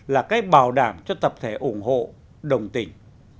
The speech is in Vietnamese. là cái bảo đảm cho tập thể ủng hộ đồng tình